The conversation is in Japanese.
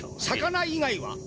魚以外は？